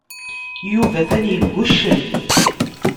Yuba atan yegguccel.